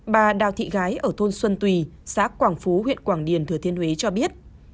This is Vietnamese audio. bà đào thị gái ở thôn xuân tùy xã quảng phú huyện quảng điền thừa thiên huế cho biết